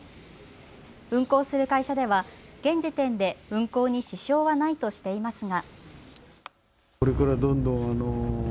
運航する会社では現時点で運航に支障はないとしていますが。